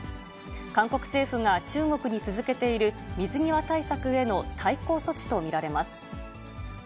韓国政府が中国に続けている、水際対策への対抗措置と見られます。